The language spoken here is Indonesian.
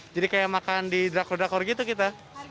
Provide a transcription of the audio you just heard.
jadi kayak makan di drakor drakor gitu kita